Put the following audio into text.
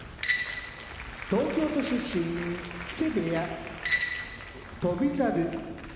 東京都出身木瀬部屋翔猿